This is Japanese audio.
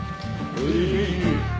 はい！